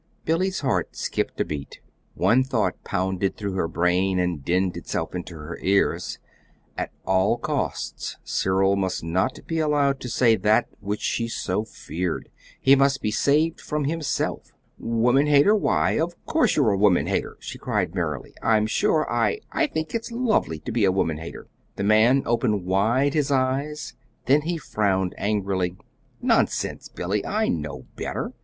Billy's heart skipped a beat. One thought, pounded through her brain and dinned itself into her ears at all costs Cyril must not be allowed to say that which she so feared; he must be saved from himself. "Woman hater? Why, of course you're a woman hater," she cried merrily. "I'm sure, I I think it's lovely to be a woman hater." The man opened wide his eyes; then he frowned angrily. "Nonsense, Billy, I know better.